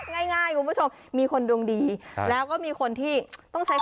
ง่ายคุณผู้ชมมีคนดวงดีแล้วก็มีคนที่ต้องใช้